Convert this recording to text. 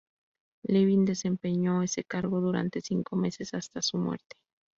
Levin desempeñó ese cargo durante cinco meses hasta su muerte.